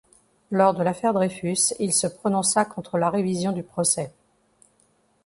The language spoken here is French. Lors de l'affaire Dreyfus, il se prononça contre la révision du procès.